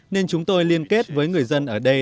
nên chúng tôi liên kết với người dân ở đây